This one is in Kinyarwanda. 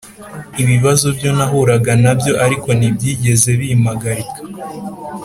ibibazo byo nahuraga na byo arik ntibyigeze bimagarika